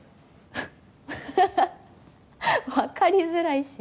フッハハハ分かりづらいし。